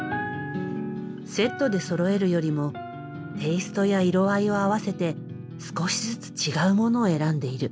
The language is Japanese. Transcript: セットでそろえるよりもテイストや色合いを合わせて少しずつ違うものを選んでいる。